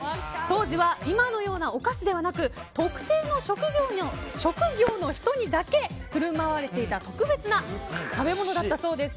当時は今のようなお菓子ではなく特定の職業の人にだけ振る舞われていた特別な食べ物だったそうです。